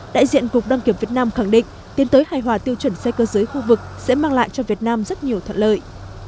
đại diện cục đăng kiểm việt nam khẳng định tiến tới hài hòa tiêu chuẩn xe cơ giới khu vực sẽ mang lại cho việt nam rất nhiều thuận lợi